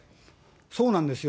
そうなんですよ、